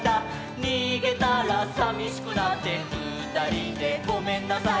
「逃げたらさみしくなって２人でごめんなさい」